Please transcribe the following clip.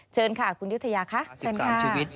เชิญค่ะคุณยุธยาค่ะเชิญค่ะ